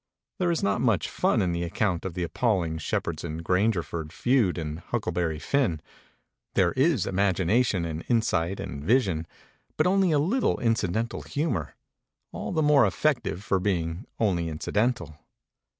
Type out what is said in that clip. There is not much fun in the account of the appalling Shepherdson Grangerford feud in 'Huckleberry Finn'; there is imagination and insight and vision, but only a little incidental humor, all the more effective for being only incidental.